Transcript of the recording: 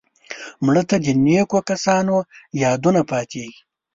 مړه ته د نیکو کسانو یادونه پاتېږي